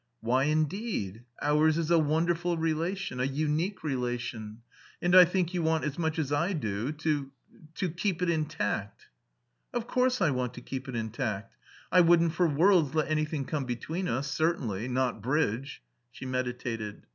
"Why, indeed. Ours is a wonderful relation. A unique relation. And I think you want as much as I do to to keep it intact." "Of course I want to keep it intact. I wouldn't for worlds let anything come between us, certainly not bridge." She meditated.